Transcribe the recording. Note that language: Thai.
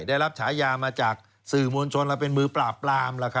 ได้รับฉายามาจากสื่อมวลชนแล้วเป็นมือปราบปราม